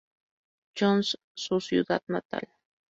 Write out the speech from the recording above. John's, su ciudad natal.